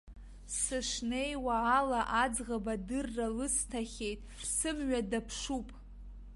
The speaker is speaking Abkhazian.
Сышнеиуала аӡӷаб адырра лысҭахьеит, сымҩа даԥшуп.